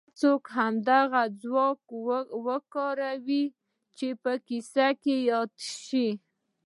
هر څوک هماغه ځواک وکاروي چې په کيسه کې ياد شو.